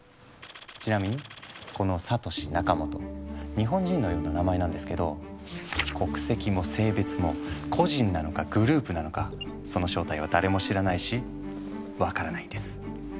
ちなみにこのサトシ・ナカモト日本人のような名前なんですけど国籍も性別も個人なのかグループなのかその正体は誰も知らないし分からないんです。